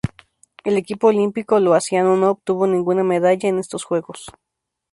El equipo olímpico laosiano no obtuvo ninguna medalla en estos Juegos.